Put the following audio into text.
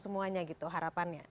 semuanya gitu harapannya